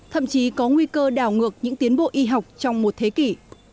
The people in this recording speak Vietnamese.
thậm chí có nguy cơ đảo ngược những tiến bộ y học trong một thế kỷ